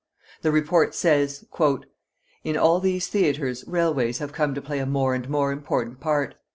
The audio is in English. The Report says: In all these theatres railways have come to play a more and more important part.